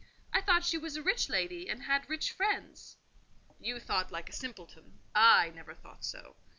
I thought she was a rich lady, and had rich friends." "You thought like a little simpleton. I never thought so.